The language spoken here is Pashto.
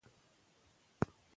داسې ژوند وکړئ چې خلک مو یاد کړي.